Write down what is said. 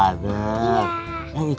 aku rekam dia